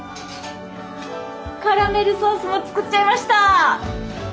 カラメルソースも作っちゃいました。